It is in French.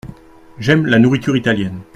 J’aime la nourriture italienne.